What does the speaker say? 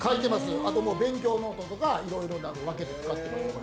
あと勉強ノートとか、いろいろなのに分けて使ってます。